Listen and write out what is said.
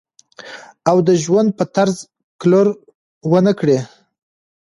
او د ژوند پۀ طرز کلر ونۀ کړي